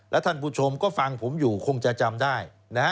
และท่านผู้ชมก็ฟังผมอยู่คงจะจำได้